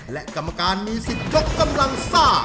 และกรรมการมีสิทธิ์ยกกำลังซ่า